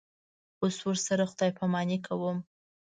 اوس ورسره خدای پاماني کوم.